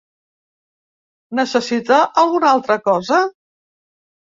Necessita alguna altra cosa?